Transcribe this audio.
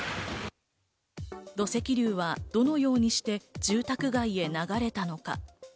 土石流はどのようにして住宅街へ流れたのか。